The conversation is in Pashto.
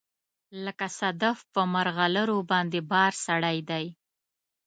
لکه صدف په مرغلروباندې بار سړی دی